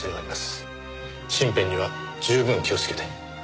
身辺には十分気をつけて。